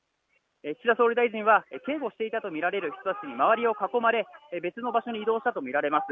岸田総理大臣は警護していたと思われる人たちに周りを囲まれ別の場所に移動したと見られます。